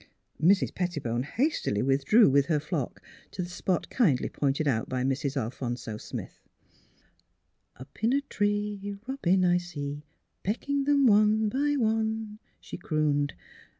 Mrs. Pettibone hastily withdrew with her flock to the spot kindly pointed out by Mrs. Alphonso Smith. *' Up in a tree, Eobin I see, pecking them one by one," she crooned.